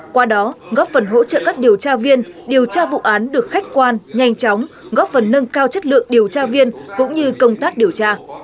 qua đó góp phần hỗ trợ các điều tra viên điều tra vụ án được khách quan nhanh chóng góp phần nâng cao chất lượng điều tra viên cũng như công tác điều tra